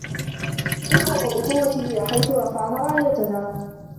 انهضوا بقوة إلى حيث رفعنا رايتنا